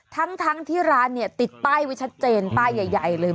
ทั้งที่ร้านเนี่ยติดป้ายไว้ชัดเจนป้ายใหญ่เลย